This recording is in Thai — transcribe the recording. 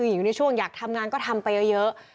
หญิงในช่วงอยากทำงานก็ทำไปเยอะ